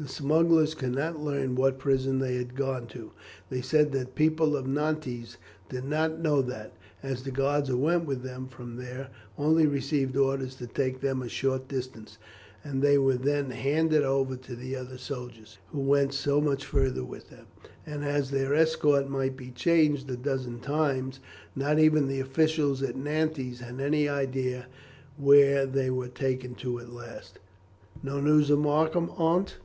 The smugglers could not learn what prison they had gone to. They said that the people of Nantes did not know that, as the guards who went with them from there only received orders to take them a short distance, and they were then handed over to other soldiers, who went so much further with them, and as their escort might be changed a dozen times not even the officials at Nantes had an idea where they were taken to at last." "No news of Markham, Aunt?"